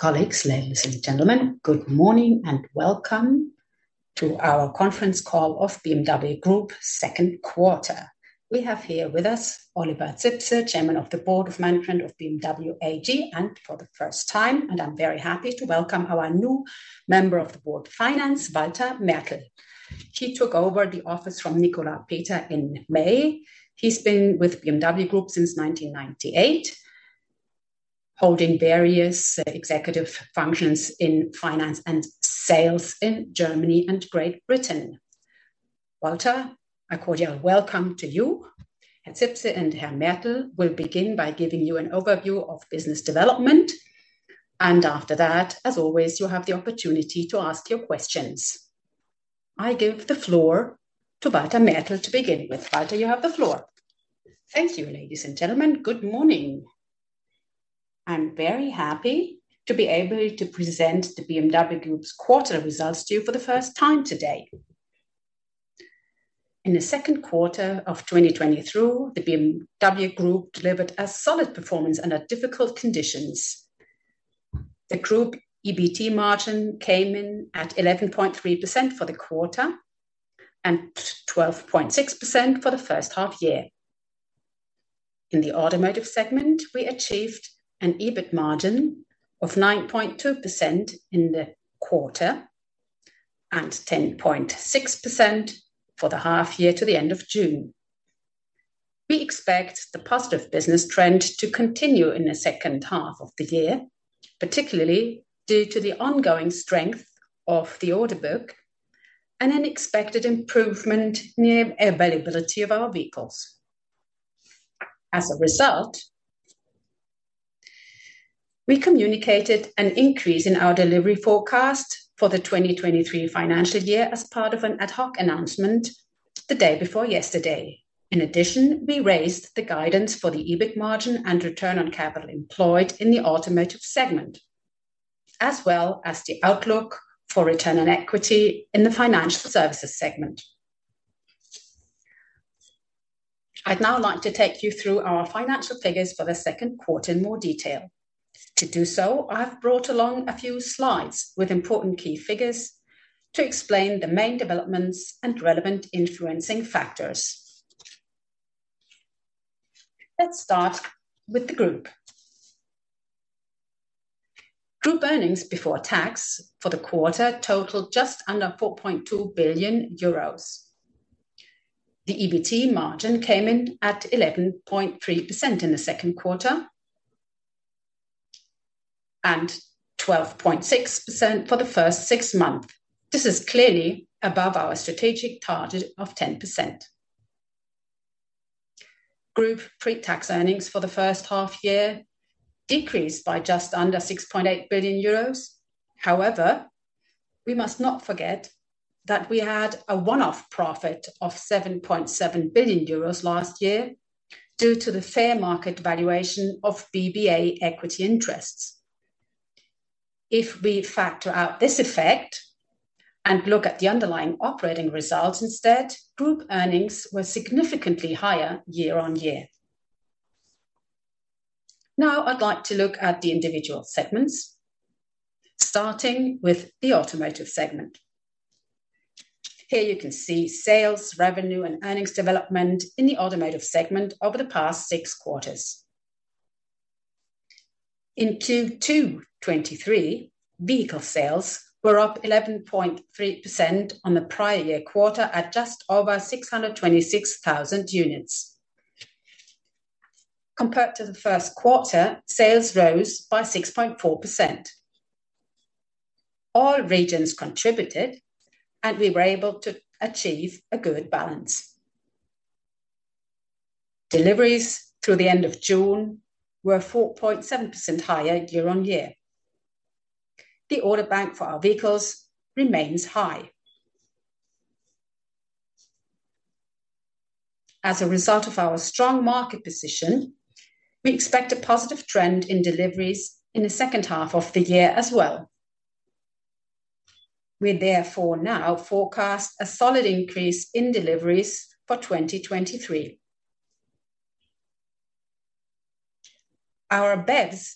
Colleagues, ladies and gentlemen, good morning, and welcome to our conference call of BMW Group second quarter. We have here with us Oliver Zipse, Chairman of the Board of Management of BMW AG, and for the first time, I'm very happy to welcome our new Member of the Board, Finance, Walter Mertl. He took over the office from Nicolas Peter in May. He's been with BMW Group since 1998, holding various Executive functions in Finance and Sales in Germany and Great Britain. Walter, a cordial welcome to you. Herr Zipse and Herr Mertl will begin by giving you an overview of business development, and after that, as always, you'll have the opportunity to ask your questions. I give the floor to Walter Mertl to begin with. Walter, you have the floor. Thank you, ladies and gentlemen. Good morning. I'm very happy to be able to present the BMW Group's quarter results to you for the first time today. In the second quarter of 2023, the BMW Group delivered a solid performance under difficult conditions. The group EBT margin came in at 11.3% for the quarter and 12.6% for the first half year. In the automotive segment, we achieved an EBIT margin of 9.2% in the quarter and 10.6% for the half year to the end of June. We expect the positive business trend to continue in the second half of the year, particularly due to the ongoing strength of the order book and an expected improvement in availability of our vehicles. As a result, we communicated an increase in our delivery forecast for the 2023 financial year as part of an ad hoc announcement the day before yesterday. In addition, we raised the guidance for the EBIT margin and return on capital employed in the automotive segment, as well as the outlook for return on equity in the financial services segment. I'd now like to take you through our financial figures for the second quarter in more detail. To do so, I've brought along a few slides with important key figures to explain the main developments and relevant influencing factors. Let's start with the group. Group earnings before tax for the quarter totaled just under 4.2 billion euros. The EBT margin came in at 11.3% in the second quarter and 12.6% for the first six months. This is clearly above our strategic target of 10%. Group pre-tax earnings for the 1st half year decreased by just under 6.8 billion euros. However, we must not forget that we had a one-off profit of 7.7 billion euros last year due to the fair market valuation of BBA equity interests. If we factor out this effect and look at the underlying operating results instead, group earnings were significantly higher year-on-year. Now, I'd like to look at the individual segments, starting with the automotive segment. Here you can see sales, revenue, and earnings development in the automotive segment over the past six quarters. In Q2 2023, vehicle sales were up 11.3% on the prior-year quarter at just over 626,000 units. Compared to the 1st quarter, sales rose by 6.4%. All regions contributed, we were able to achieve a good balance. Deliveries through the end of June were 4.7% higher year-on-year. The order bank for our vehicles remains high. As a result of our strong market position, we expect a positive trend in deliveries in the second half of the year as well. We therefore now forecast a solid increase in deliveries for 2023. Our BEVs,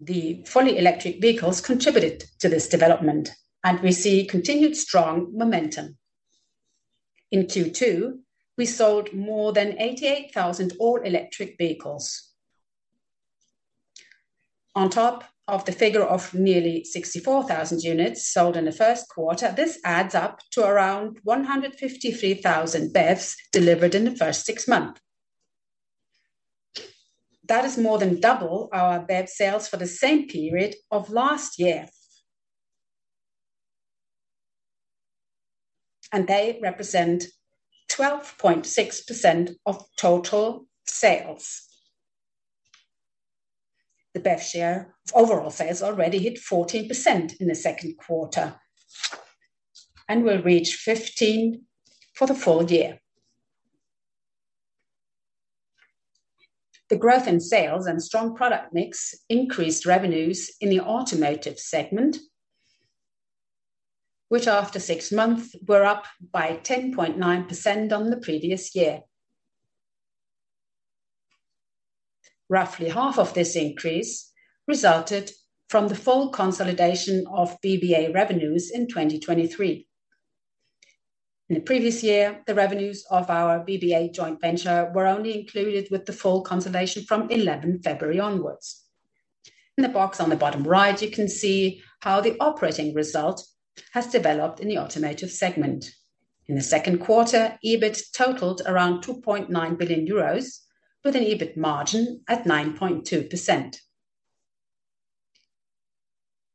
the fully electric vehicles, contributed to this development, we see continued strong momentum. In Q2, we sold more than 88,000 all-electric vehicles. On top of the figure of nearly 64,000 units sold in the first quarter, this adds up to around 153,000 BEVs delivered in the first six months. That is more than double our BEV sales for the same period of last year. They represent 12.6% of total sales. The BEV share of overall sales already hit 14% in the second quarter and will reach 15% for the full year. The growth in sales and strong product mix increased revenues in the automotive segment, which after six months, were up by 10.9% on the previous year. Roughly half of this increase resulted from the full consolidation of BBA revenues in 2023. In the previous year, the revenues of our BBA joint venture were only included with the full consolidation from 11th February onwards. In the box on the bottom right, you can see how the operating result has developed in the automotive segment. In the second quarter, EBIT totaled around 2.9 billion euros, with an EBIT margin at 9.2%.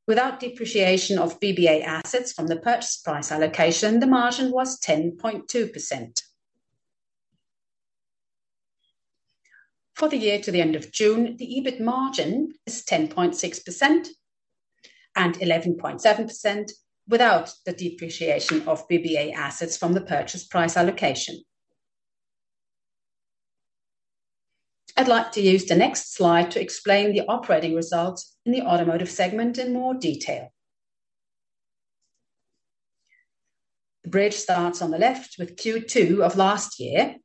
Without depreciation of BBA assets from the purchase price allocation, the margin was 10.2%. For the year to the end of June, the EBIT margin is 10.6% and 11.7% without the depreciation of BBA assets from the purchase price allocation. I'd like to use the next slide to explain the operating results in the automotive segment in more detail. The bridge starts on the left with Q2 of last year,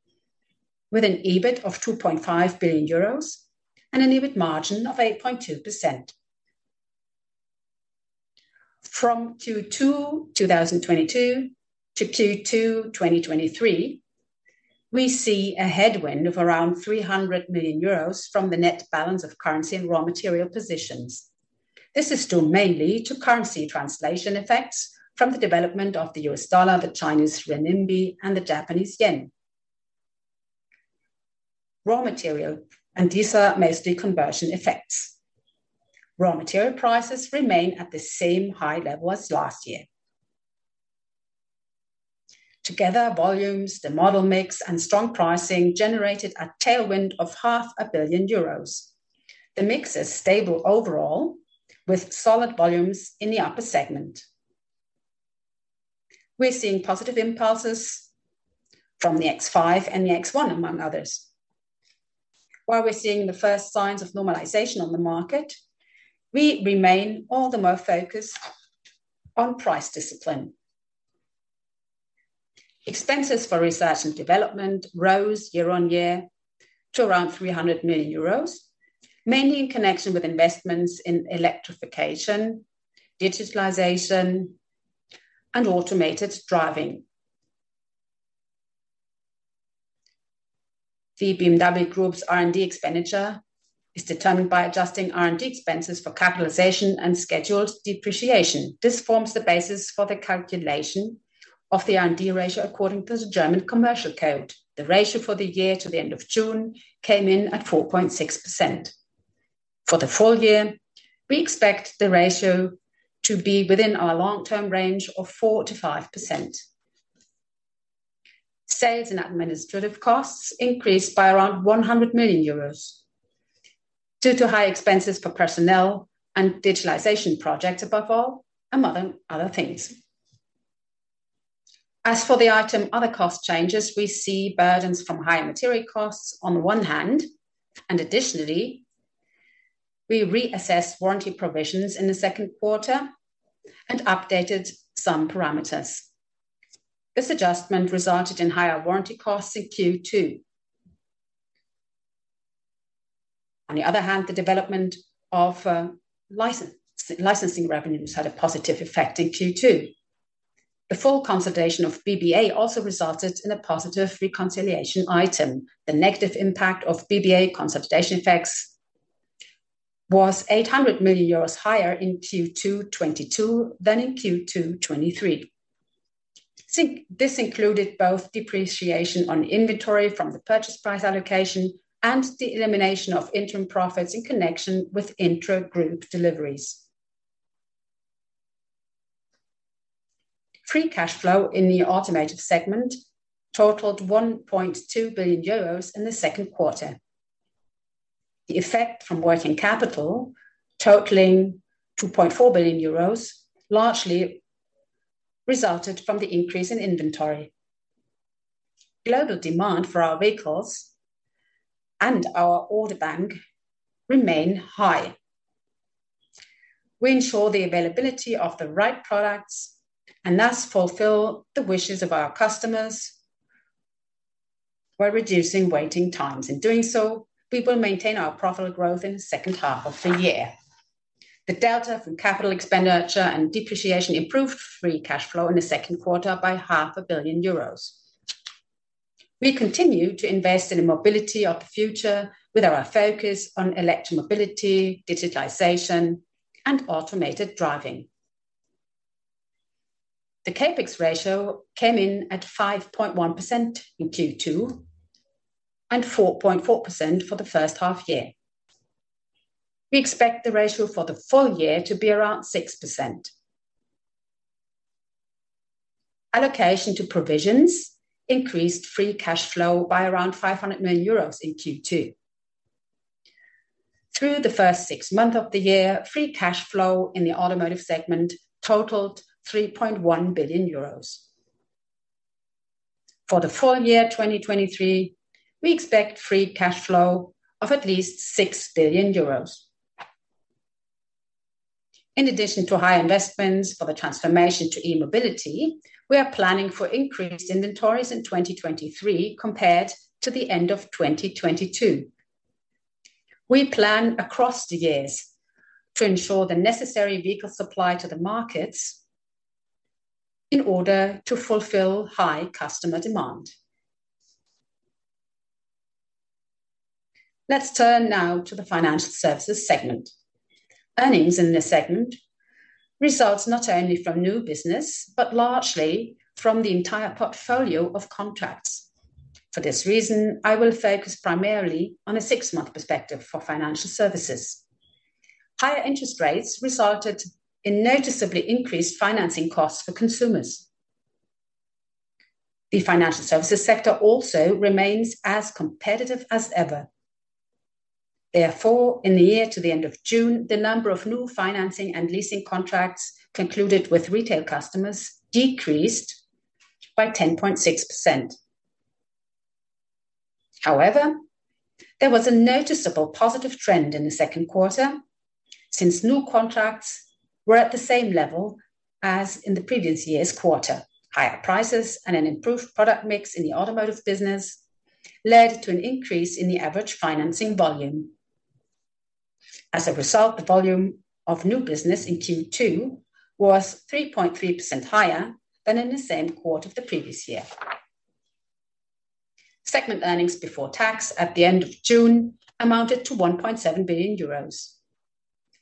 with an EBIT of 2.5 billion euros and an EBIT margin of 8.2%. From Q2 2022 to Q2 2023, we see a headwind of around 300 million euros from the net balance of currency and raw material positions. This is due mainly to currency translation effects from the development of the U.S. dollar, the Chinese renminbi, and the Japanese yen. These are mostly conversion effects. Raw material prices remain at the same high level as last year. Together, volumes, the model mix, and strong pricing generated a tailwind of 500 million euros. The mix is stable overall, with solid volumes in the upper segment. We're seeing positive impulses from the X5 and the X1, among others. While we're seeing the first signs of normalization on the market, we remain all the more focused on price discipline. Expenses for research and development rose year-over-year to around 300 million euros, mainly in connection with investments in electrification, digitalization, and automated driving. The BMW Group's R&D expenditure is determined by adjusting R&D expenses for capitalization and scheduled depreciation. This forms the basis for the calculation of the R&D ratio according to the German Commercial Code. The ratio for the year to the end of June came in at 4.6%. For the full year, we expect the ratio to be within our long-term range of 4%-5%. Sales and administrative costs increased by around 100 million euros due to high expenses for personnel and digitalization projects, above all, among other things. For the item, other cost changes, we see burdens from higher material costs on the one hand, and additionally, we reassess warranty provisions in the second quarter and updated some parameters. This adjustment resulted in higher warranty costs in Q2. On the other hand, the development of license, licensing revenues had a positive effect in Q2. The full consolidation of BBA also resulted in a positive reconciliation item. The negative impact of BBA consolidation effects was 800 million euros higher in Q2 2022 than in Q2 2023. Think this included both depreciation on inventory from the purchase price allocation and the elimination of interim profits in connection with intragroup deliveries. Free cash flow in the automotive segment totaled 1.2 billion euros in the second quarter. The effect from working capital, totaling 2.4 billion euros, largely resulted from the increase in inventory. Global demand for our vehicles and our order bank remain high. We ensure the availability of the right products and thus fulfill the wishes of our customers by reducing waiting times. In doing so, we will maintain our profitable growth in the second half of the year. The delta from capital expenditure and depreciation improved free cash flow in the second quarter by 500 million euros. We continue to invest in the mobility of the future with our focus on electric mobility, digitalization, and automated driving. The CapEx ratio came in at 5.1% in Q2, and 4.4% for the first half year. We expect the ratio for the full year to be around 6%. Allocation to provisions increased free cash flow by around 500 million euros in Q2. Through the first six months of the year, free cash flow in the automotive segment totaled 3.1 billion euros. For the full year 2023, we expect free cash flow of at least 6 billion euros. In addition to high investments for the transformation to e-mobility, we are planning for increased inventories in 2023 compared to the end of 2022. We plan across the years to ensure the necessary vehicle supply to the markets in order to fulfill high customer demand. Let's turn now to the financial services segment. Earnings in this segment results not only from new business, but largely from the entire portfolio of contracts. For this reason, I will focus primarily on a six month perspective for financial services. Higher interest rates resulted in noticeably increased financing costs for consumers. The financial services sector also remains as competitive as ever. Therefore, in the year to the end of June, the number of new financing and leasing contracts concluded with retail customers decreased by 10.6%. However, there was a noticeable positive trend in the second quarter since new contracts were at the same level as in the previous year's quarter. Higher prices and an improved product mix in the automotive business led to an increase in the average financing volume. As a result, the volume of new business in Q2 was 3.3% higher than in the same quarter of the previous year. Segment EBT at the end of June amounted to 1.7 billion euros,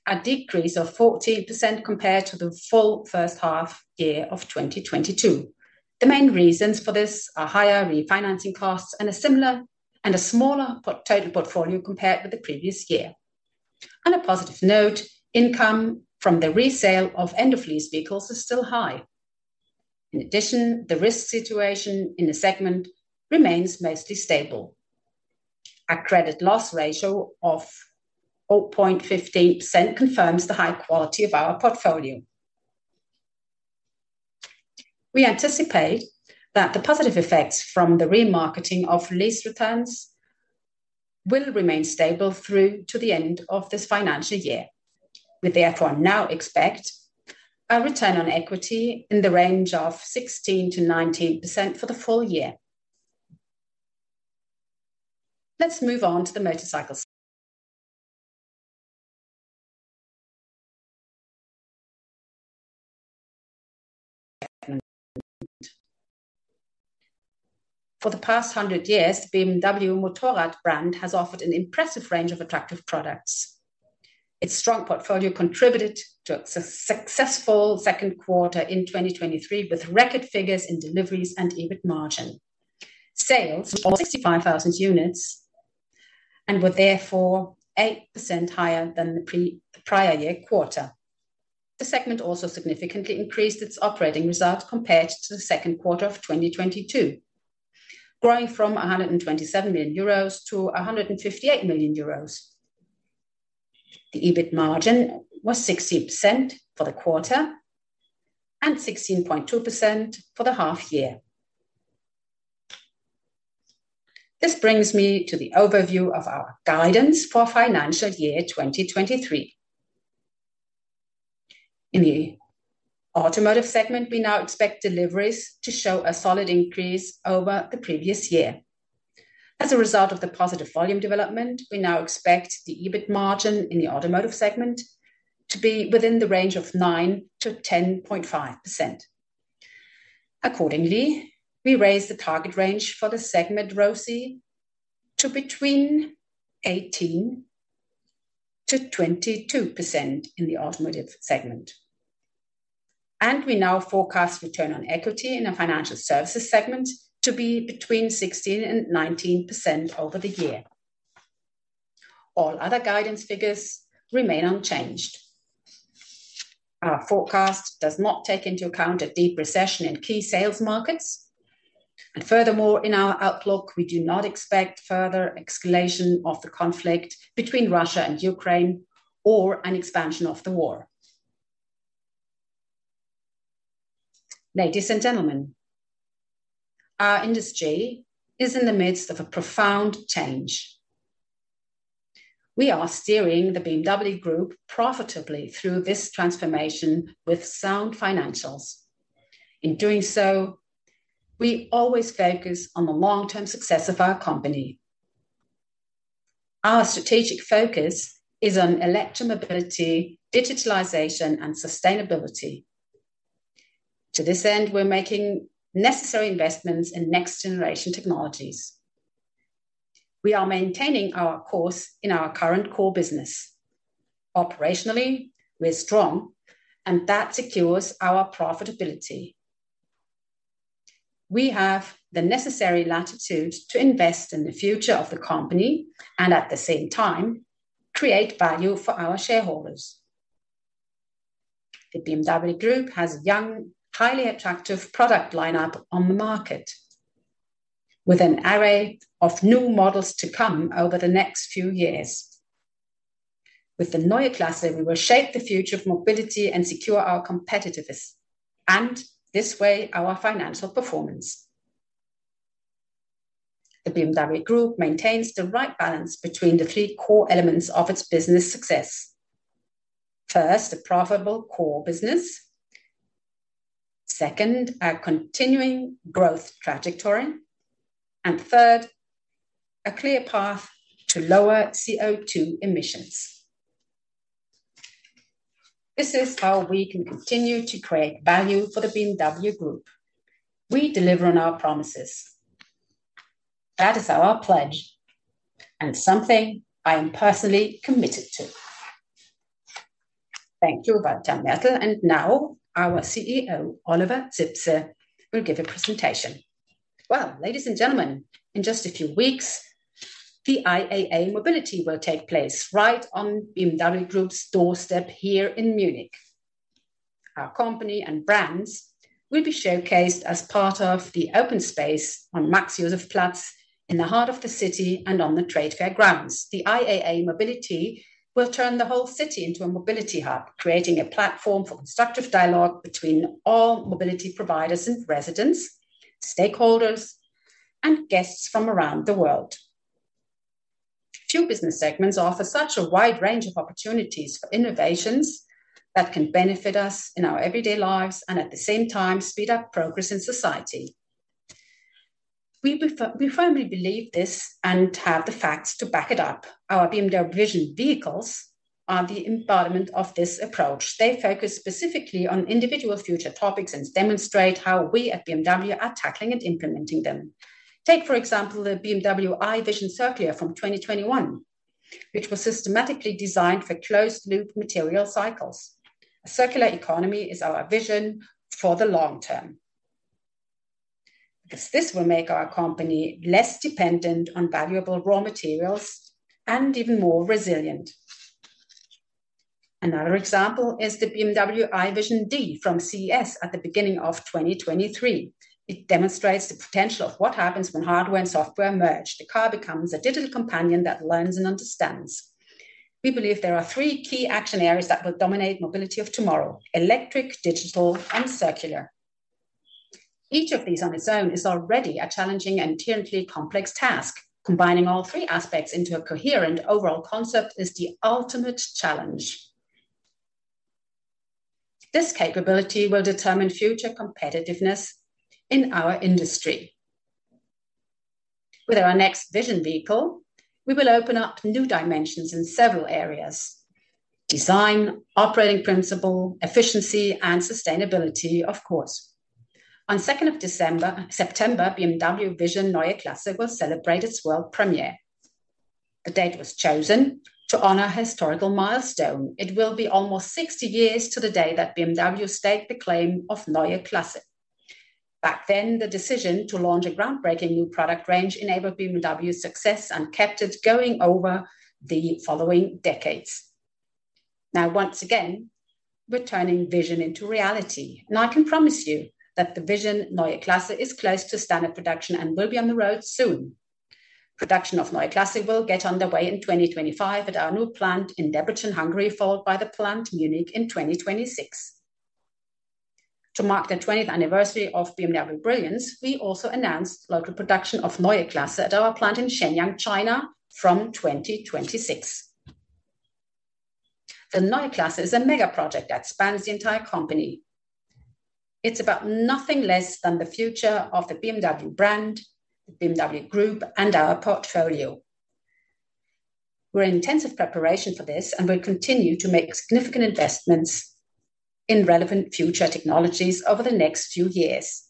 a decrease of 14% compared to the full first half year of 2022. The main reasons for this are higher refinancing costs and a similar, and a smaller total portfolio compared with the previous year. On a positive note, income from the resale of end-of-lease vehicles is still high. In addition, the risk situation in the segment remains mostly stable. A credit loss ratio of 0.15% confirms the high quality of our portfolio. We anticipate that the positive effects from the remarketing of lease returns will remain stable through to the end of this financial year. We therefore now expect a return on equity in the range of 16%-19% for the full year. Let's move on to the motorcycle segment. For the past 100 years, the BMW Motorrad brand has offered an impressive range of attractive products. Its strong portfolio contributed to a successful second quarter in 2023, with record figures in deliveries and EBIT margin. Sales of 65,000 units were therefore 8% higher than the prior year quarter. The segment also significantly increased its operating results compared to the second quarter of 2022, growing from 127 million euros to 158 million euros. The EBIT margin was 16% for the quarter and 16.2% for the half year. This brings me to the overview of our guidance for financial year 2023. In the automotive segment, we now expect deliveries to show a solid increase over the previous year. As a result of the positive volume development, we now expect the EBIT margin in the automotive segment to be within the range of 9%-10.5%. Accordingly, we raise the target range for the segment ROCE to between 18%-22% in the automotive segment, and we now forecast return on equity in the financial services segment to be between 16% and 19% over the year. All other guidance figures remain unchanged. Our forecast does not take into account a deep recession in key sales markets. Furthermore, in our outlook, we do not expect further escalation of the conflict between Russia and Ukraine or an expansion of the war. Ladies and gentlemen, our industry is in the midst of a profound change. We are steering the BMW Group profitably through this transformation with sound financials. In doing so, we always focus on the long-term success of our company. Our strategic focus is on electromobility, digitalization, and sustainability. To this end, we're making necessary investments in next-generation technologies. We are maintaining our course in our current core business. Operationally, we're strong, and that secures our profitability. We have the necessary latitude to invest in the future of the company and at the same time, create value for our shareholders. The BMW Group has a young, highly attractive product lineup on the market, with an array of new models to come over the next few years. With the Neue Klasse, we will shape the future of mobility and secure our competitiveness, and this way, our financial performance. The BMW Group maintains the right balance between the three core elements of its business success. First, a profitable core business. Second, a continuing growth trajectory, and third, a clear path to lower CO₂ emissions. This is how we can continue to create value for the BMW Group. We deliver on our promises. That is our pledge, and something I am personally committed to. Thank you, Walter Mertl. Now our CEO, Oliver Zipse, will give a presentation. Well, ladies and gentlemen, in just a few weeks, the IAA Mobility will take place right on BMW Group's doorstep here in Munich. Our company and brands will be showcased as part of the open space on Max-Joseph-Platz, in the heart of the city and on the trade fair grounds. The IAA Mobility will turn the whole city into a mobility hub, creating a platform for constructive dialogue between all mobility providers and residents, stakeholders, and guests from around the world. Few business segments offer such a wide range of opportunities for innovations that can benefit us in our everyday lives and at the same time speed up progress in society. We firmly believe this and have the facts to back it up. Our BMW vision vehicles are the embodiment of this approach. They focus specifically on individual future topics and demonstrate how we at BMW are tackling and implementing them. Take, for example, the BMW i Vision Circular from 2021, which was systematically designed for closed-loop material cycles. A circular economy is our vision for the long term, because this will make our company less dependent on valuable raw materials and even more resilient. Another example is the BMW i Vision Dee from CES at the beginning of 2023. It demonstrates the potential of what happens when hardware and software merge. The car becomes a digital companion that learns and understands. We believe there are three key action areas that will dominate mobility of tomorrow: electric, digital, and circular. Each of these on its own is already a challenging and technically complex task. Combining all three aspects into a coherent overall concept is the ultimate challenge. This capability will determine future competitiveness in our industry. With our next vision vehicle, we will open up new dimensions in several areas: design, operating principle, efficiency, and sustainability, of course. On 2nd of September, BMW Vision Neue Klasse will celebrate its world premiere. The date was chosen to honor a historical milestone. It will be almost 60 years to the day that BMW staked the claim of Neue Klasse. Back then, the decision to launch a groundbreaking new product range enabled BMW's success and kept it going over the following decades. Now, once again, we're turning vision into reality, and I can promise you that the BMW Vision Neue Klasse is close to standard production and will be on the road soon. Production of Neue Klasse will get underway in 2025 at our new plant in Debrecen, Hungary, followed by the plant Munich in 2026. To mark the 20th anniversary of BMW Brilliance, we also announced local production of Neue Klasse at our plant in Shenyang, China, from 2026. The Neue Klasse is a mega project that spans the entire company. It's about nothing less than the future of the BMW brand, the BMW Group, and our portfolio. We're in intensive preparation for this, and we continue to make significant investments in relevant future technologies over the next few years.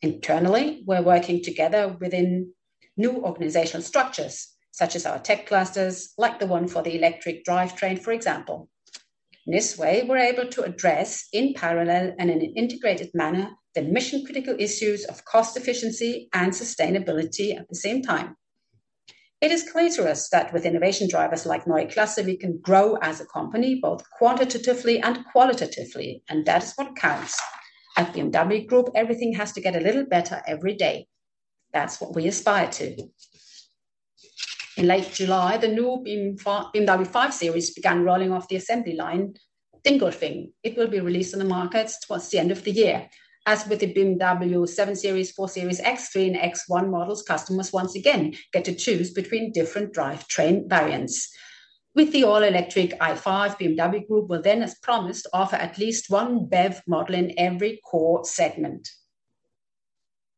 Internally, we're working together within new organizational structures, such as our tech clusters, like the one for the electric drivetrain, for example. This way, we're able to address, in parallel and in an integrated manner, the mission-critical issues of cost efficiency and sustainability at the same time. It is clear to us that with innovation drivers like Neue Klasse, we can grow as a company, both quantitatively and qualitatively, and that is what counts. At BMW Group, everything has to get a little better every day. That's what we aspire to. In late July, the new BMW 5 Series began rolling off the assembly line in Dingolfing. It will be released on the markets towards the end of the year. As with the BMW 7 Series, 4 Series, X3 and X1 models, customers once again get to choose between different drivetrain variants. With the all-electric i5, BMW Group will then, as promised, offer at least one BEV model in every core segment.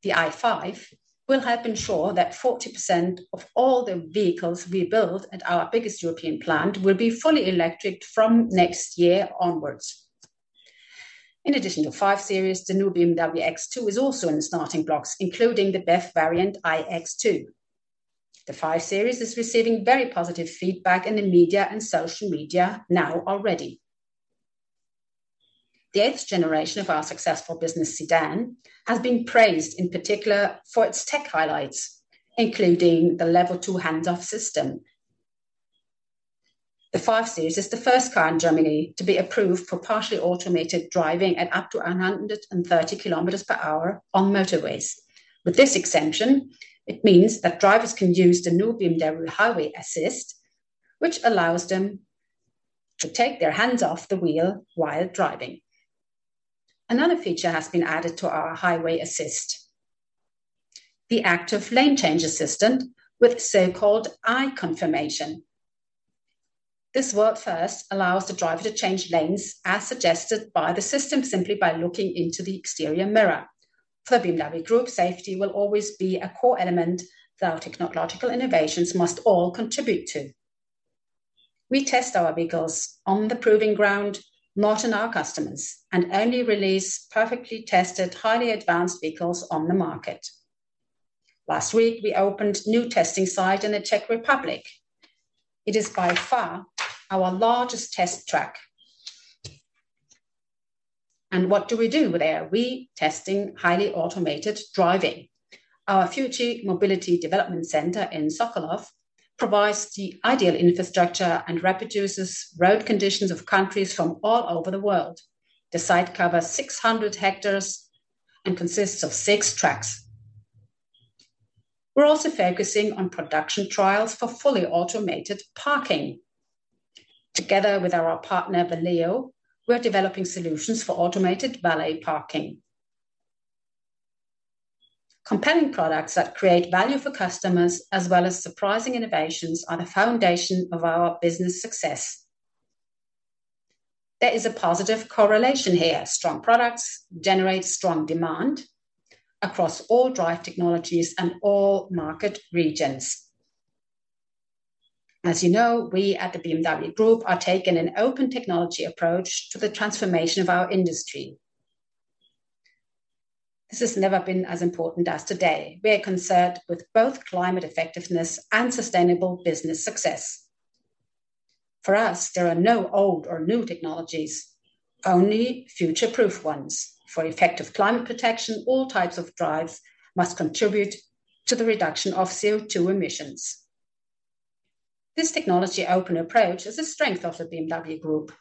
The i5 will help ensure that 40% of all the vehicles we build at our biggest European plant will be fully electric from next year onwards. In addition to 5 Series, the new BMW X2 is also in the starting blocks, including the BEV variant, iX2. The 5 Series is receiving very positive feedback in the media and social media now already. The eighth generation of our successful business sedan has been praised in particular for its tech highlights, including the Level 2 hands-off system. The Five Series is the first car in Germany to be approved for partially automated driving at up to 130 km/h on motorways. With this exemption, it means that drivers can use the new BMW Highway Assist, which allows them to take their hands off the wheel while driving. Another feature has been added to our Highway Assist, the Active Lane Change Assistant with so-called eye confirmation. This world first allows the driver to change lanes, as suggested by the system, simply by looking into the exterior mirror. For BMW Group, safety will always be a core element that our technological innovations must all contribute to. We test our vehicles on the proving ground, not on our customers, and only release perfectly tested, highly advanced vehicles on the market. Last week, we opened a new testing site in the Czech Republic. It is by far our largest test track. What do we do there? We testing highly automated driving. Our Future Mobility Development Center in Sokolov provides the ideal infrastructure and reproduces road conditions of countries from all over the world. The site covers 600 hectares and consists of six tracks. We're also focusing on production trials for fully automated parking. Together with our partner, Valeo, we are developing solutions for automated valet parking. Compelling products that create value for customers, as well as surprising innovations, are the foundation of our business success. There is a positive correlation here. Strong products generate strong demand across all drive technologies and all market regions. As you know, we at the BMW Group are taking an open technology approach to the transformation of our industry. This has never been as important as today. We are concerned with both climate effectiveness and sustainable business success. For us, there are no old or new technologies, only future-proof ones. For effective climate protection, all types of drives must contribute to the reduction of CO₂ emissions. This technology-open approach is a strength of the BMW Group.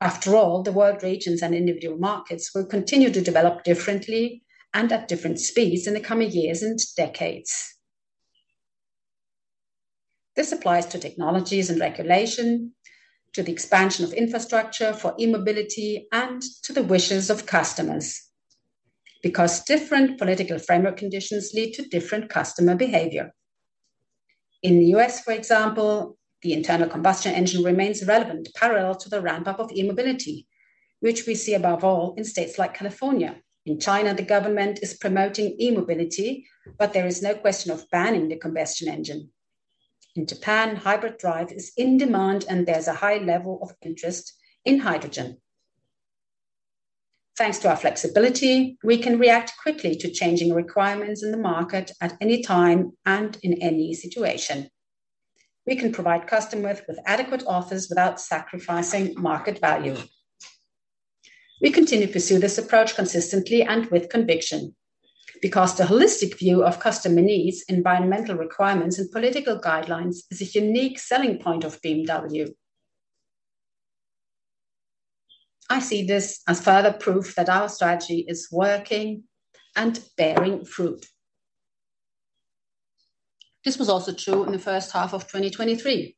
After all, the world regions and individual markets will continue to develop differently and at different speeds in the coming years and decades. This applies to technologies and regulation, to the expansion of infrastructure for e-mobility, and to the wishes of customers, because different political framework conditions lead to different customer behavior. In the U.S., for example, the internal combustion engine remains relevant parallel to the ramp-up of e-mobility, which we see above all in states like California. In China, the government is promoting e-mobility, but there is no question of banning the combustion engine. In Japan, hybrid drive is in demand, and there's a high level of interest in hydrogen. Thanks to our flexibility, we can react quickly to changing requirements in the market at any time and in any situation. We can provide customers with adequate offers without sacrificing market value. We continue to pursue this approach consistently and with conviction, because the holistic view of customer needs, environmental requirements, and political guidelines is a unique selling point of BMW. I see this as further proof that our strategy is working and bearing fruit. This was also true in the first half of 2023.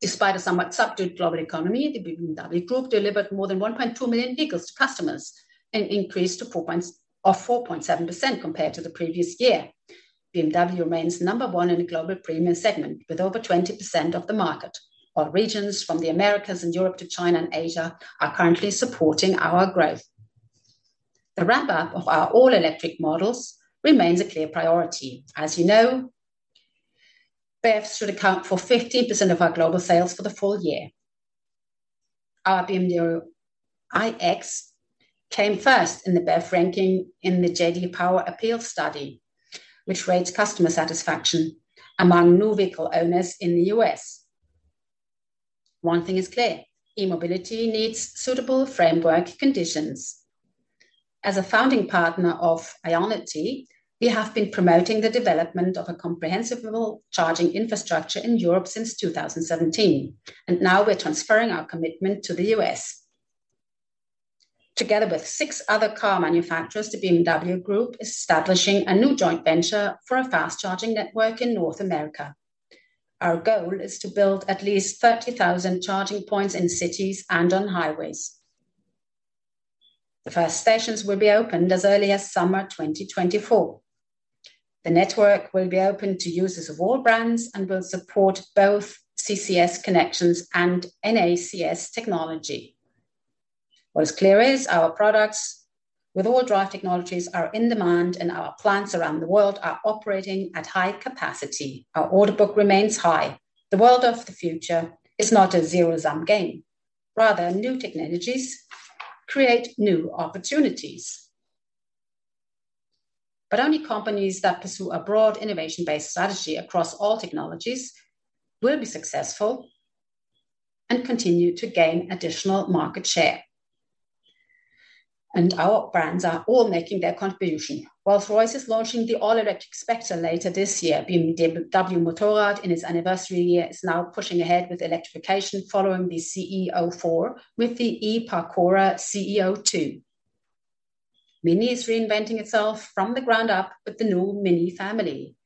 Despite a somewhat subdued global economy, the BMW Group delivered more than 1.2 million vehicles to customers, an increase of 4.7% compared to the previous year. BMW remains number one in the global premium segment, with over 20% of the market. While regions from the Americas and Europe to China and Asia are currently supporting our growth. The ramp-up of our all-electric models remains a clear priority. As you know, BEVs should account for 15% of our global sales for the full year. Our BMW iX came first in the BEV ranking in the J.D. Power APEAL Study, which rates customer satisfaction among new vehicle owners in the U.S. One thing is clear, e-mobility needs suitable framework conditions. As a founding partner of IONITY, we have been promoting the development of a comprehensive level charging infrastructure in Europe since 2017, and now we're transferring our commitment to the U.S. Together with six other car manufacturers, the BMW Group is establishing a new joint venture for a fast-charging network in North America. Our goal is to build at least 30,000 charging points in cities and on highways. The first stations will be opened as early as summer 2024. The network will be open to users of all brands and will support both CCS connections and NACS technology. What is clear is our products with all drive technologies are in demand, and our plants around the world are operating at high capacity. Our order book remains high. The world of the future is not a zero-sum game. Rather, new technologies create new opportunities. Only companies that pursue a broad, innovation-based strategy across all technologies will be successful and continue to gain additional market share. Our brands are all making their contribution. Rolls-Royce is launching the all-electric Spectre later this year. BMW Motorrad, in its anniversary year, is now pushing ahead with electrification following the CE 04 with the eParkourer CE 02. MINI is reinventing itself from the ground up with the new MINI family.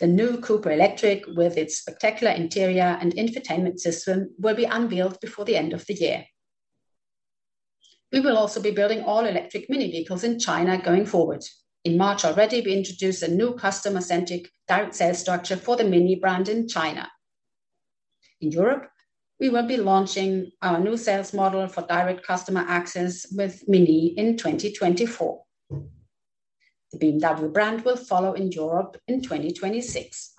The new Cooper Electric, with its spectacular interior and infotainment system, will be unveiled before the end of the year. We will also be building all-electric MINI vehicles in China going forward. In March already, we introduced a new customer-centric direct sales structure for the MINI brand in China. In Europe, we will be launching our new sales model for direct customer access with MINI in 2024. The BMW brand will follow in Europe in 2026.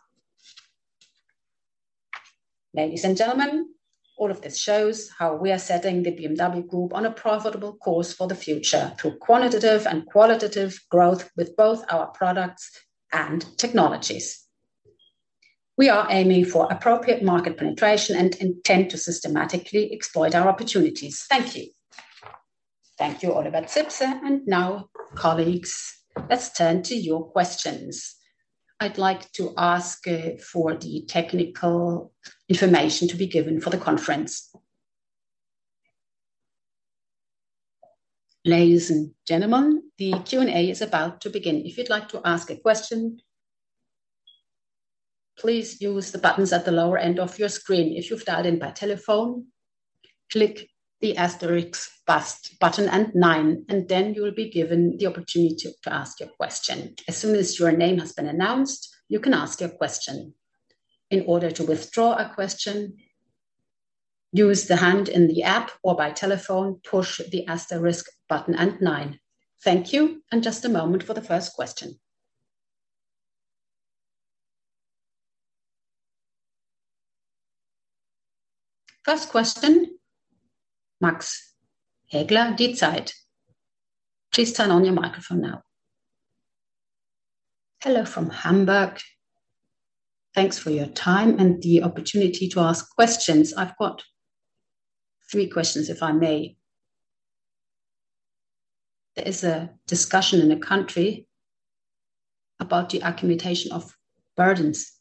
Ladies and gentlemen, all of this shows how we are setting the BMW Group on a profitable course for the future through quantitative and qualitative growth with both our products and technologies. We are aiming for appropriate market penetration and intend to systematically exploit our opportunities. Thank you. Thank you, Oliver Zipse. Now, colleagues, let's turn to your questions. I'd like to ask for the technical information to be given for the conference. Ladies and gentlemen, the Q&A is about to begin. If you'd like to ask a question, please use the buttons at the lower end of your screen. If you've dialed in by telephone, click the asterisk button and nine, and then you will be given the opportunity to ask your question. As soon as your name has been announced, you can ask your question. In order to withdraw a question, use the hand in the app or by telephone, push the asterisk button, and nine. Thank you. Just a moment for the first question. First question, Max Hägler, DIE ZEIT. Please turn on your microphone now. Hello from Hamburg. Thanks for your time and the opportunity to ask questions. I've got three questions, if I may. There is a discussion in the country about the accumulation of burdens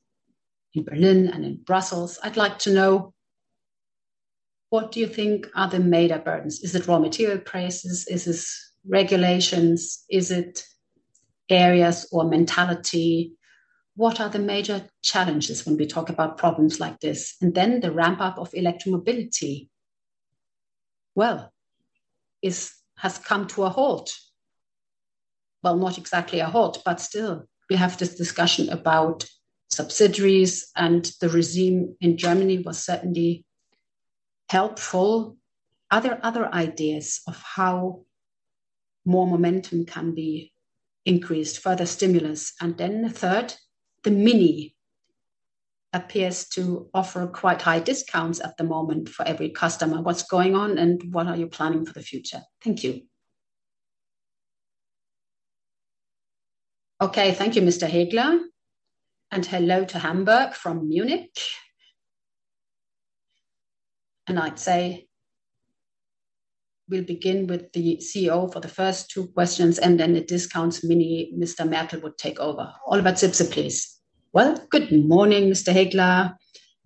in Berlin and in Brussels. I'd like to know, what do you think are the major burdens? Is it raw material prices? Is it regulations? Is it areas or mentality? What are the major challenges when we talk about problems like this? Then the ramp-up of electromobility, well, is has come to a halt. Well, not exactly a halt, still, we have this discussion about subsidiaries, the regime in Germany was certainly helpful. Are there other ideas of how more momentum can be increased, further stimulus? Then the third, the MINI appears to offer quite high discounts at the moment for every customer. What's going on, what are you planning for the future? Thank you. Okay. Thank you, Mr. Hägler, hello to Hamburg from Munich. I'd say we'll begin with the CEO for the first two questions, then the discounts MINI, Mr. Mertl would take over. Oliver Zipse, please. Well, good morning, Mr. Hägler.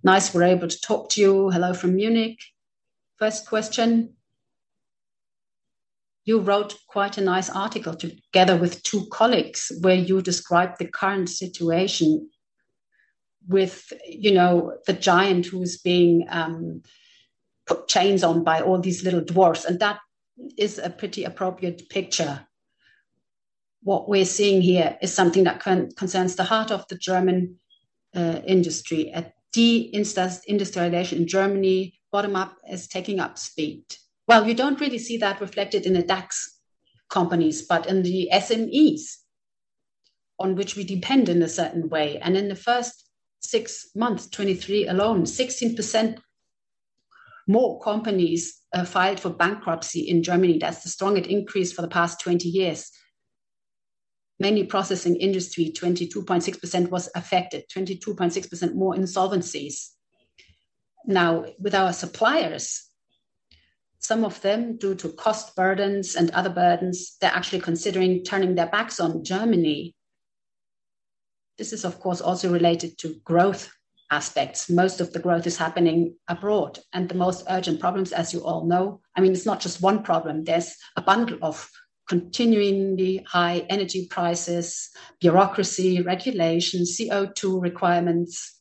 Nice we're able to talk to you. Hello from Munich. First question, you wrote quite a nice article together with two colleagues, where you described the current situation with, you know, the giant who's being put chains on by all these little dwarfs, and that is a pretty appropriate picture. What we're seeing here is something that concerns the heart of the German industry. A deindustrialization in Germany, bottom-up, is taking up speed. Well, you don't really see that reflected in the DAX companies, but in the SMEs, on which we depend in a certain way. In the first six months, 2023 alone, 16% more companies filed for bankruptcy in Germany. That's the strongest increase for the past 20 years. Many processing industry, 22.6%, was affected. 22.6% more insolvencies. Now, with our suppliers, some of them, due to cost burdens and other burdens, they're actually considering turning their backs on Germany. This is, of course, also related to growth aspects. Most of the growth is happening abroad, and the most urgent problems, as you all know, I mean, it's not just one problem. There's a bundle of continuingly high energy prices, bureaucracy, regulations, CO2 requirements,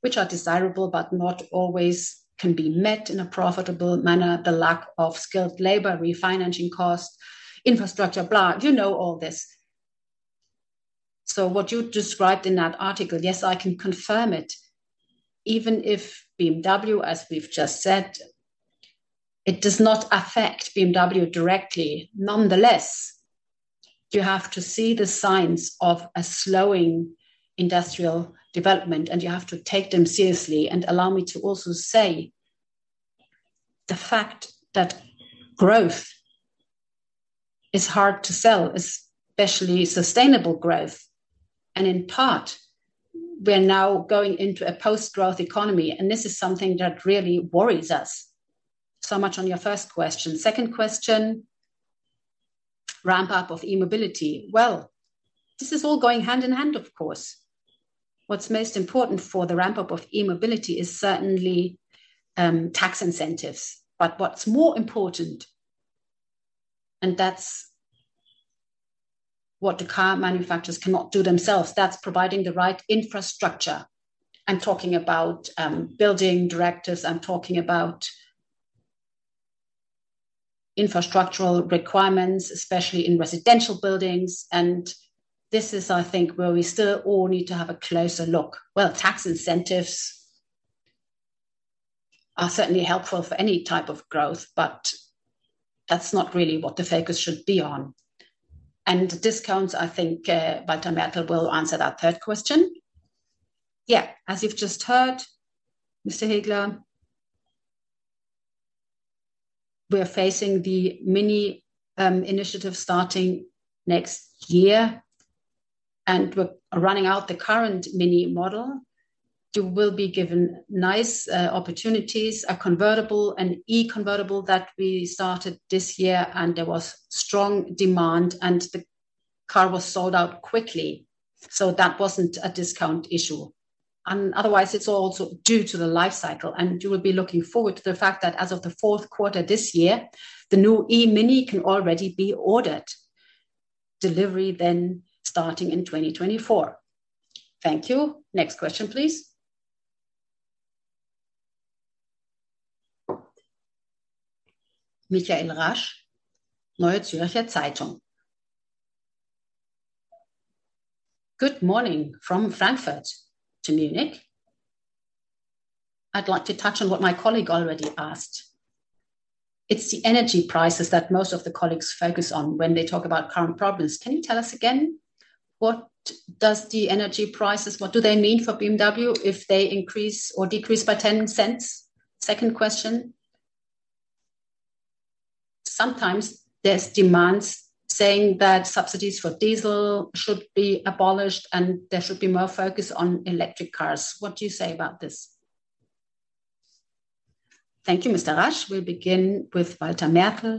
which are desirable, but not always can be met in a profitable manner. The lack of skilled labor, refinancing costs, infrastructure, blah. You know all this. What you described in that article, yes, I can confirm it. Even if BMW, as we've just said, it does not affect BMW directly. Nonetheless, you have to see the signs of a slowing industrial development, and you have to take them seriously. Allow me to also say the fact that growth is hard to sell, especially sustainable growth, and in part, we're now going into a post-growth economy, and this is something that really worries us. Much on your first question. Second question, ramp-up of e-mobility. Well, this is all going hand in hand, of course. What's most important for the ramp-up of e-mobility is certainly tax incentives. What's more important and that's what the car manufacturers cannot do themselves. That's providing the right infrastructure. I'm talking about building directives, I'm talking about infrastructural requirements, especially in residential buildings, and this is, I think, where we still all need to have a closer look. Well, tax incentives are certainly helpful for any type of growth, but that's not really what the focus should be on. Discounts, I think, Walter Mertl will answer that third question. Yeah, as you've just heard, Mr. Hägler, we are facing the MINI initiative starting next year, and we're running out the current MINI model. You will be given nice opportunities, a convertible, an e-convertible that we started this year, and there was strong demand, and the car was sold out quickly, so that wasn't a discount issue. Otherwise, it's also due to the life cycle, and you will be looking forward to the fact that as of the 4th quarter this year, the new e-MINI can already be ordered. Delivery starting in 2024. Thank you. Next question, please. Michael Rasch, Neue Zürcher Zeitung. Good morning from Frankfurt to Munich. I'd like to touch on what my colleague already asked. It's the energy prices that most of the colleagues focus on when they talk about current problems. Can you tell us again, what does the energy prices mean for BMW if they increase or decrease by 10 cents? Second question: sometimes there's demands saying that subsidies for diesel should be abolished and there should be more focus on electric cars. What do you say about this? Thank you, Mr. Rasch. We'll begin with Walter Mertl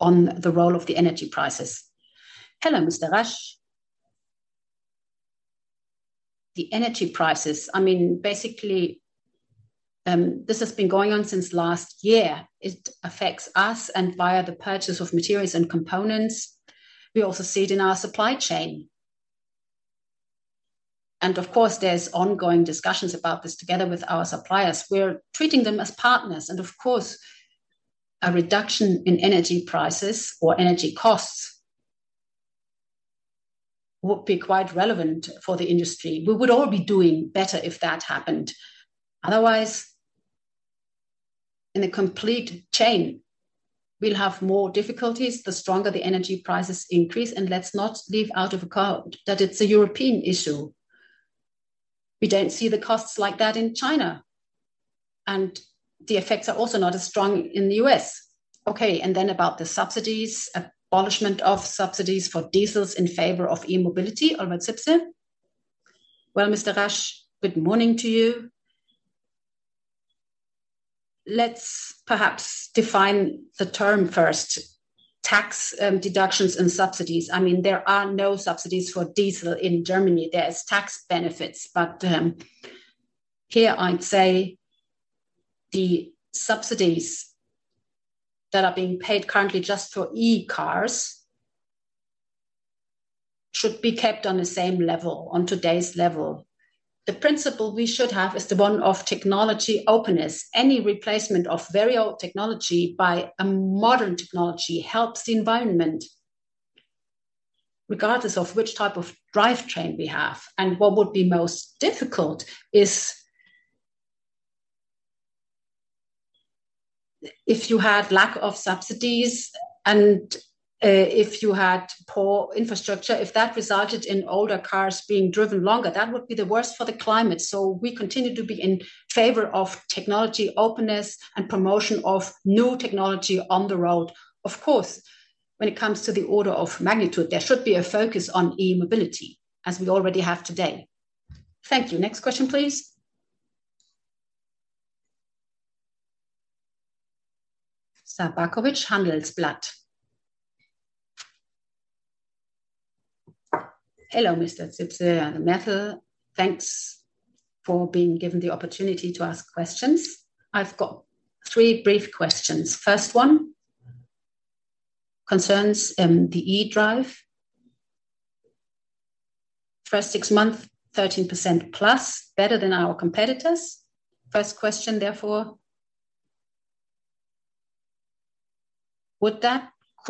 on the role of the energy prices. Hello, Mr. Rasch. The energy prices, I mean, basically, this has been going on since last year. It affects us via the purchase of materials and components. We also see it in our supply chain. Of course, there's ongoing discussions about this together with our suppliers. We're treating them as partners and, of course, a reduction in energy prices or energy costs would be quite relevant for the industry. We would all be doing better if that happened. Otherwise, in a complete chain, we'll have more difficulties the stronger the energy prices increase, and let's not leave out of account that it's a European issue. We don't see the costs like that in China, and the effects are also not as strong in the U.S. Okay, then about the subsidies, abolishment of subsidies for diesels in favor of e-mobility, Oliver Zipse? Well, Mr. Rasch, good morning to you. Let's perhaps define the term first. Tax, deductions and subsidies. I mean, there are no subsidies for diesel in Germany. There's tax benefits, but here I'd say the subsidies that are being paid currently just for e-cars should be kept on the same level, on today's level. The principle we should have is the one of technology openness. Any replacement of very old technology by a modern technology helps the environment, regardless of which type of drivetrain we have. What would be most difficult is if you had lack of subsidies and if you had poor infrastructure, if that resulted in older cars being driven longer, that would be the worst for the climate. We continue to be in favor of technology openness and promotion of new technology on the road. Of course, when it comes to the order of magnitude, there should be a focus on e-mobility, as we already have today. Thank you. Next question, please. Lazar Backovic, Handelsblatt. Hello, Mr. Zipse and Mr. Mertl. Thanks for being given the opportunity to ask questions. I've got three brief questions. First one concerns the e-drive. First six months, 13%+, better than our competitors. First question, therefore,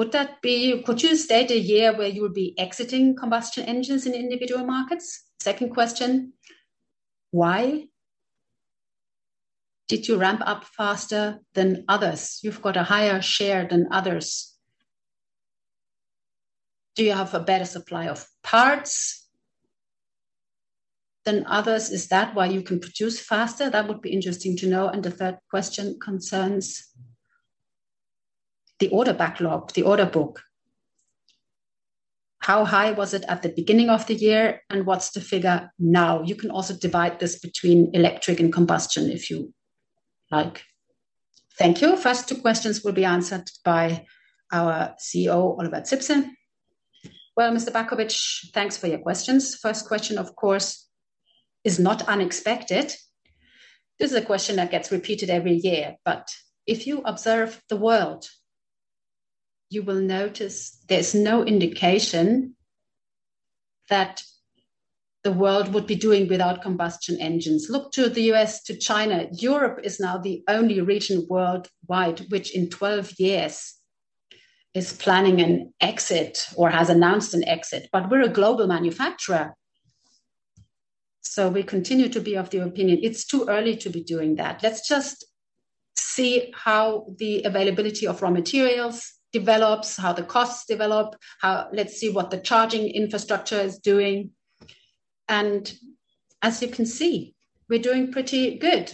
could you state a year where you will be exiting combustion engines in individual markets? Second question: Why did you ramp up faster than others? You've got a higher share than others. Do you have a better supply of parts than others? Is that why you can produce faster? That would be interesting to know. The third question concerns the order backlog, the order book. How high was it at the beginning of the year, and what's the figure now? You can also divide this between electric and combustion, if you like. Thank you. First two questions will be answered by our CEO, Oliver Zipse. Well, Mr. Backovic, thanks for your questions. First question, of course, is not unexpected. This is a question that gets repeated every year, but if you observe the world, you will notice there's no indication that the world would be doing without combustion engines. Look to the U.S., to China. Europe is now the only region worldwide, which in 12 years is planning an exit or has announced an exit, but we're a global manufacturer, so we continue to be of the opinion it's too early to be doing that. Let's just see how the availability of raw materials develops, how the costs develop. Let's see what the charging infrastructure is doing. As you can see, we're doing pretty good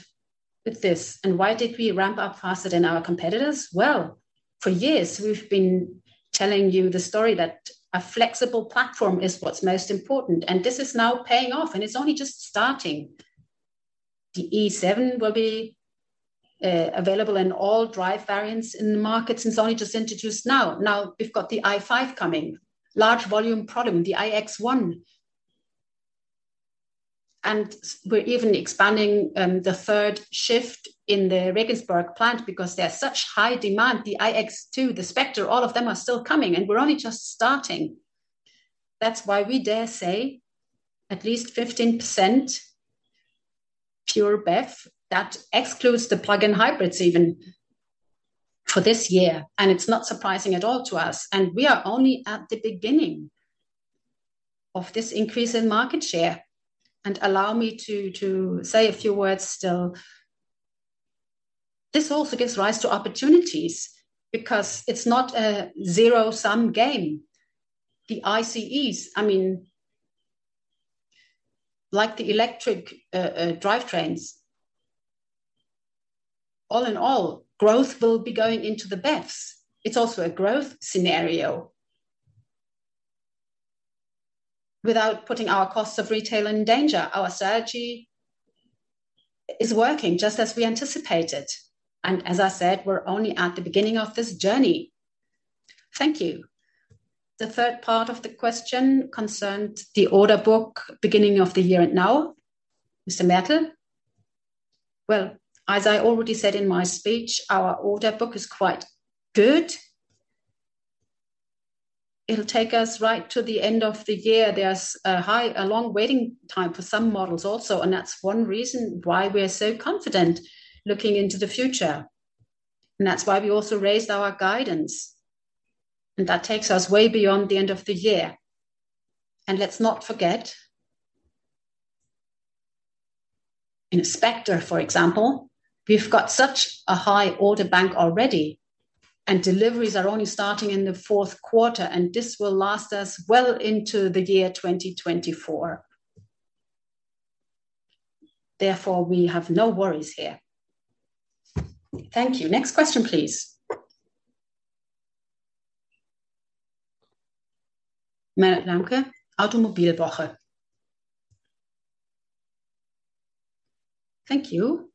with this. Why did we ramp up faster than our competitors? Well, for years we've been telling you the story that a flexible platform is what's most important, and this is now paying off, and it's only just starting. The i7 will be available in all drive variants in the markets, and it's only just introduced now. Now, we've got the i5 coming. Large volume problem, the iX1. We're even expanding the third shift in the Regensburg plant because there's such high demand. The iX2, the Spectre, all of them are still coming, and we're only just starting. That's why we dare say at least 15% pure BEV. That excludes the plug-in hybrids even for this year, and it's not surprising at all to us, and we are only at the beginning of this increase in market share. Allow me to say a few words still. This also gives rise to opportunities because it's not a zero-sum game. The ICEs, I mean, like the electric drivetrains, all in all, growth will be going into the BEVs. It's also a growth scenario. Without putting our costs of retail in danger, our strategy is working just as we anticipated, and as I said, we're only at the beginning of this journey. Thank you. The third part of the question concerned the order book beginning of the year and now. Mr. Mertl? Well, as I already said in my speech, our order book is quite good. It'll take us right to the end of the year. There's a long waiting time for some models also, and that's one reason why we're so confident looking into the future, and that's why we also raised our guidance, and that takes us way beyond the end of the year. Let's not forget, in Spectre, for example, we've got such a high order bank already, and deliveries are only starting in the fourth quarter, and this will last us well into the year 2024. Therefore, we have no worries here. Thank you. Next question, please. Meret Lamke, Automobilwoche. Thank you.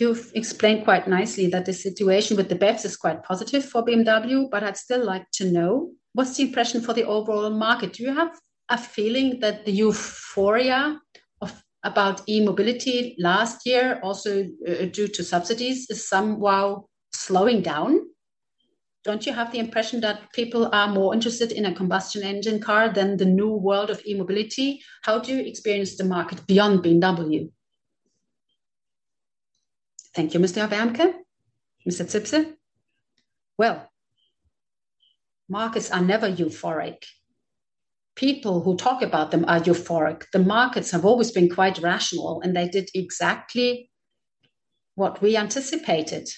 You've explained quite nicely that the situation with the BEVs is quite positive for BMW, but I'd still like to know, what's the impression for the overall market? Do you have a feeling that the euphoria of, about e-mobility last year, also, due to subsidies, is somehow slowing down? Don't you have the impression that people are more interested in a combustion engine car than the new world of e-mobility? How do you experience the market beyond BMW? Thank you, Ms. Lamke. Mr. Zipse? Well, markets are never euphoric. People who talk about them are euphoric. The markets have always been quite rational. They did exactly what we anticipated.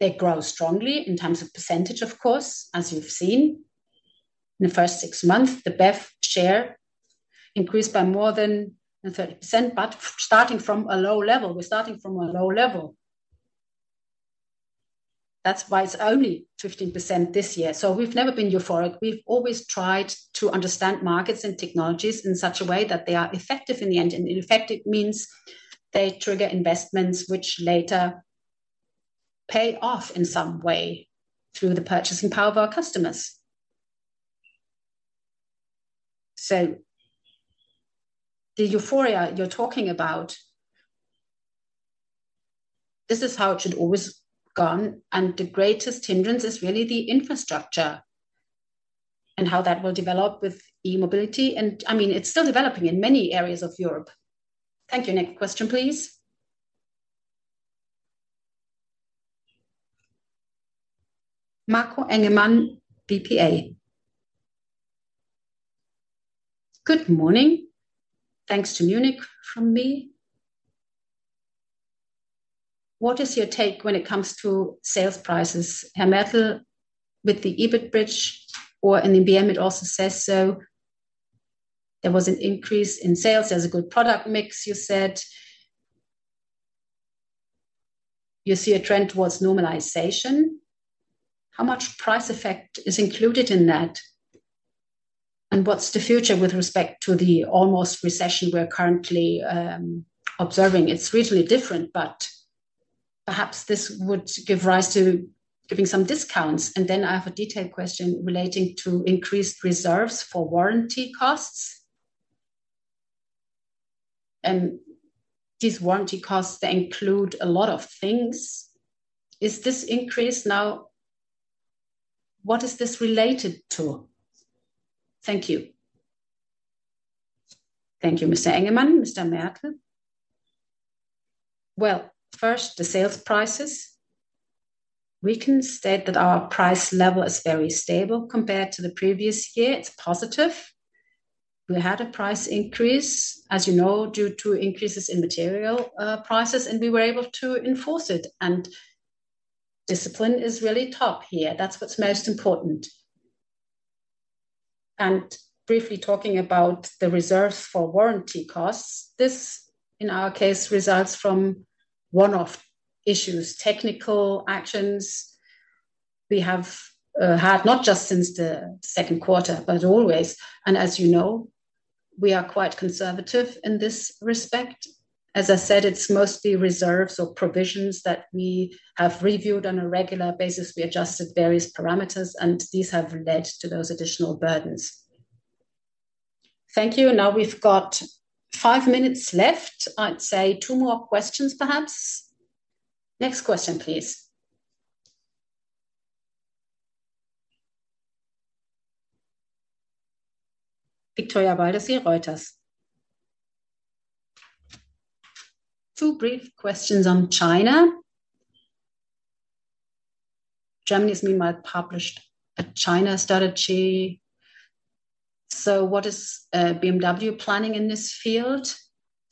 They grow strongly in terms of percentage, of course, as you've seen. In the first six months, the BEV share increased by more than 30%, but starting from a low level. We're starting from a low level. That's why it's only 15% this year. We've never been euphoric. We've always tried to understand markets and technologies in such a way that they are effective in the end, and effective means they trigger investments which later pay off in some way through the purchasing power of our customers. The euphoria you're talking about, this is how it should always gone, and the greatest hindrance is really the infrastructure and how that will develop with e-mobility, and, I mean, it's still developing in many areas of Europe. Thank you. Next question, please. Marco Engemann, dpa. Good morning. Thanks to Munich from me. What is your take when it comes to sales prices? Herr Mertl, with the EBIT bridge or NBM, it also says so. There was an increase in sales. There's a good product mix, you said. You see a trend towards normalization. How much price effect is included in that? What's the future with respect to the almost recession we're currently observing? It's regionally different, but perhaps this would give rise to giving some discounts. Then I have a detailed question relating to increased reserves for warranty costs. These warranty costs, they include a lot of things. Is this increase, what is this related to? Thank you. Thank you, Mr. Engemann. Mr. Mertl? Well, first, the sales prices. We can state that our price level is very stable compared to the previous year. It's positive. We had a price increase, as you know, due to increases in material prices. We were able to enforce it. Discipline is really top here. That's what's most important. Briefly talking about the reserves for warranty costs, this, in our case, results from one-off issues, technical actions we have had, not just since the second quarter, but always. As you know, we are quite conservative in this respect. As I said, it's mostly reserves or provisions that we have reviewed on a regular basis. We adjusted various parameters. These have led to those additional burdens. Thank you. We've got five minutes left. I'd say two more questions, perhaps. Next question, please. Victoria Waldersee, Reuters. Two brief questions on China. Germany's meanwhile published a China strategy. What is BMW planning in this field?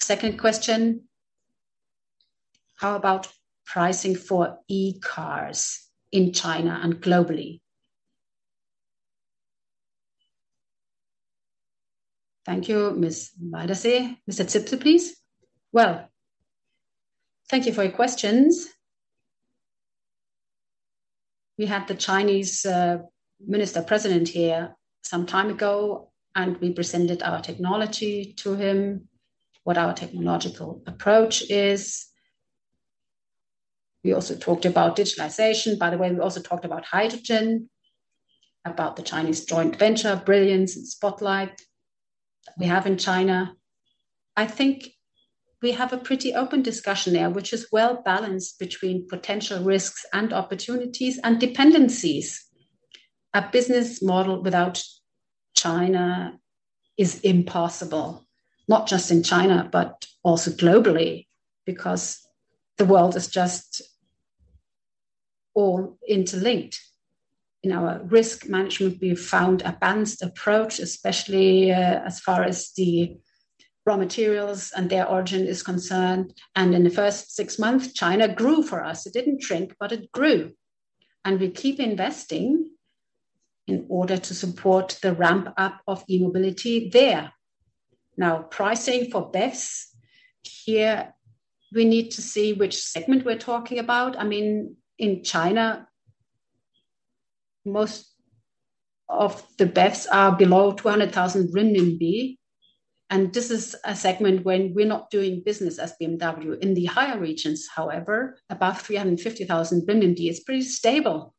Second question: How about pricing for e-cars in China and globally? Thank you, Ms. Waldersee. Mr. Zipse, please. Well, thank you for your questions. We had the Chinese Minister President here some time ago, we presented our technology to him, what our technological approach is. We also talked about digitalization, by the way, we also talked about hydrogen, about the Chinese joint venture, Brilliance and Spotlight we have in China. I think we have a pretty open discussion there, which is well balanced between potential risks and opportunities and dependencies. A business model without China is impossible, not just in China, but also globally, because the world is just all interlinked. In our risk management, we've found a balanced approach, especially as far as the raw materials and their origin is concerned. In the first six months, China grew for us. It didn't shrink, but it grew. We keep investing in order to support the ramp-up of e-mobility there. Now, pricing for BEVs, here we need to see which segment we're talking about. I mean, in China, most of the BEVs are below 200,000 RMB, and this is a segment when we're not doing business as BMW. In the higher regions, however, above 350,000, is pretty stable.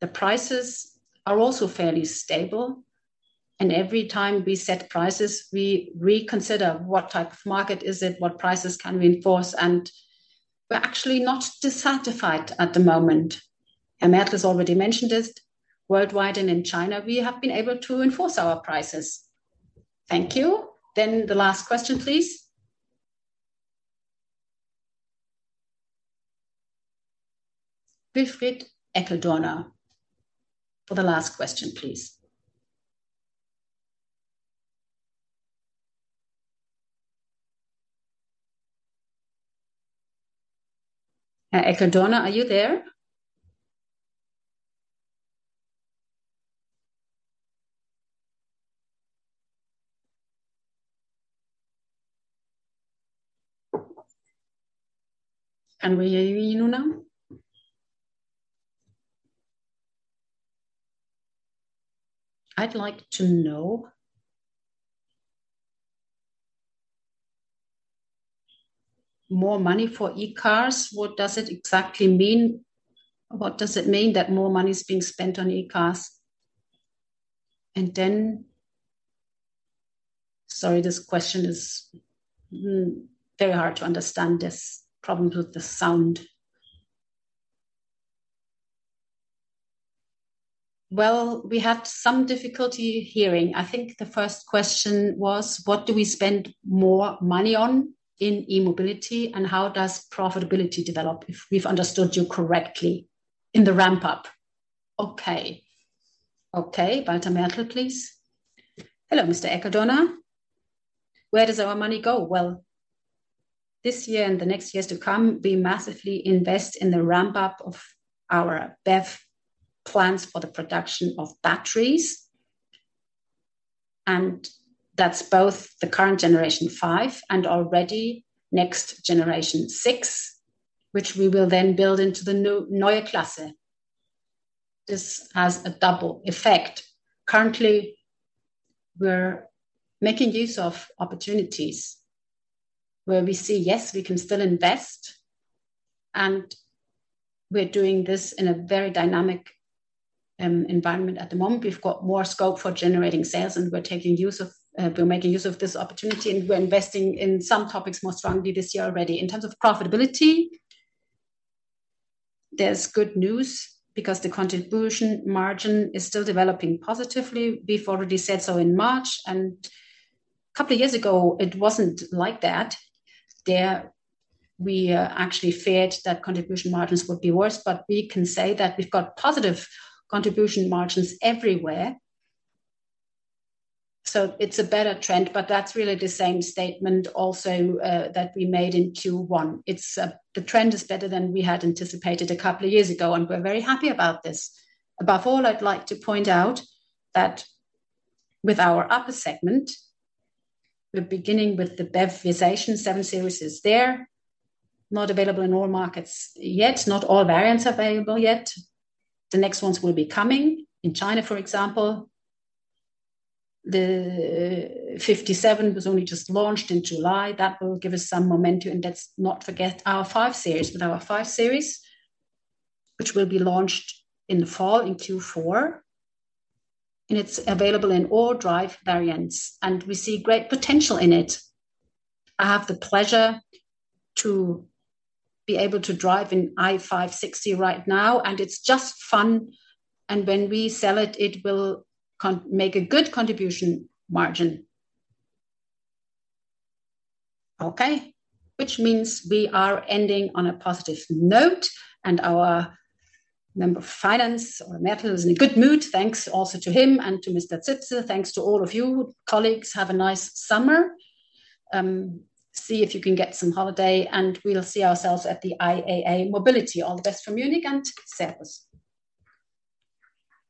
The prices are also fairly stable, and every time we set prices, we reconsider what type of market is it, what prices can we enforce, and we're actually not dissatisfied at the moment. Herr Mertl has already mentioned this. Worldwide and in China, we have been able to enforce our prices. Thank you. The last question, please. Wilfried Eckl-Dorna, for the last question, please. Eckl-Dorna, are you there? We hear you now. I'd like to know. More money for e-cars, what does it exactly mean? What does it mean that more money is being spent on e-cars? Sorry, this question is very hard to understand. There's problems with the sound. Well, we had some difficulty hearing. I think the first question was, what do we spend more money on in e-mobility, and how does profitability develop, if we've understood you correctly, in the ramp-up? Okay. Okay, Walter Mertl, please. Hello, Mr. Mr. Eckl-Dorna. Where does our money go? Well, this year and the next years to come, we massively invest in the ramp-up of our BEV plans for the production of batteries, and that's both the current generation five and already next generation six, which we will then build into the new Neue Klasse. This has a double effect. Currently, we're making use of opportunities where we see, yes, we can still invest, and we're doing this in a very dynamic environment at the moment. We've got more scope for generating sales, and we're taking use of, we're making use of this opportunity, and we're investing in some topics more strongly this year already. In terms of profitability, there's good news because the contribution margin is still developing positively. We've already said so in March, and a couple of years ago, it wasn't like that. There, we actually feared that contribution margins would be worse, but we can say that we've got positive contribution margins everywhere. It's a better trend, but that's really the same statement also that we made in Q1. It's, the trend is better than we had anticipated a couple of years ago, and we're very happy about this. Above all, I'd like to point out that with our upper segment, we're beginning with the BEVization, 7 Series is there, not available in all markets yet, not all variants available yet. The next ones will be coming. In China, for example, the 57 was only just launched in July. That will give us some momentum. Let's not forget our 5 Series. With our 5 Series, which will be launched in the fall, in Q4, it's available in all drive variants, we see great potential in it. I have the pleasure to be able to drive an i5 60 right now, it's just fun, when we sell it, it will make a good contribution margin. Okay, which means we are ending on a positive note, our member of finance or Mertl is in a good mood. Thanks also to him and to Mr. Zipse. Thanks to all of you. Colleagues, have a nice summer. See if you can get some holiday, we'll see ourselves at the IAA Mobility. All the best from Munich and sales.